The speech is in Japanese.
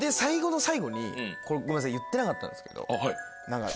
これごめんなさい言ってなかったんですけど。